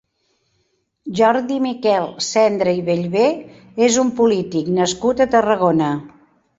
Jordi-Miquel Sendra i Vellvè és un polític nascut a Tarragona.